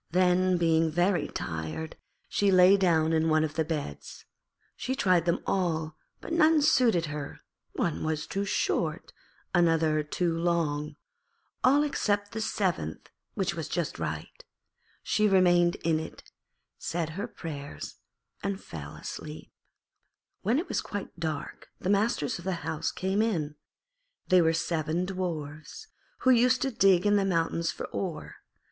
Then, being very tired, she lay down in one of the beds. She tried them all but none suited her; one was too short, another too long, all except the seventh, which was just right. She remained in it, said her prayers, and fell asleep. When it was quite dark the masters of the house came in. They were seven Dwarfs, who used to dig in the mountains for ore.